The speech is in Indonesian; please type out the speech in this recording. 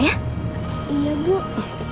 masa kita udah sekali dan